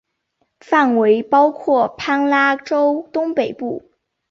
范围包括帕拉州东北部。